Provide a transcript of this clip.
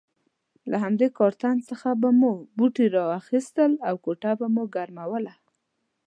له همدې کارتن څخه به مو بوټي را اخیستل او کوټه به مو ګرموله.